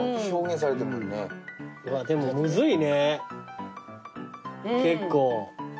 うわでもむずいね結構。